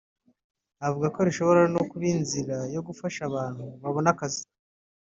Avuga ko rishobora no kuba inzira yo gufasha abantu kubona akazi